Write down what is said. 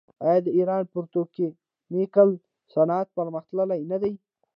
آیا د ایران پتروکیمیکل صنعت پرمختللی نه دی؟